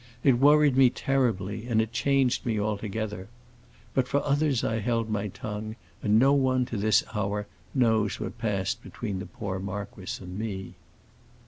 It worried me terribly, and it changed me altogether. But for others I held my tongue, and no one, to this hour, knows what passed between the poor marquis and me."